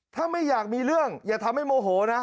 ถ้าไม่อยากมีเรื่องอย่าทำให้โมโหนะ